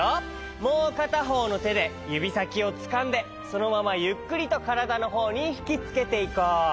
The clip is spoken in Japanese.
もうかたほうのてでゆびさきをつかんでそのままゆっくりとからだのほうにひきつけていこう。